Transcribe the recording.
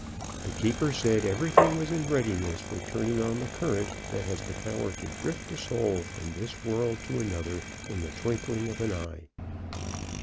The keeper said everything was in readiness for turning on the current that has the power to drift a soul from this world to another in the twinkling of an eye.